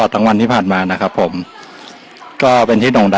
ตอนนี้เราอยู่กับน้องโบ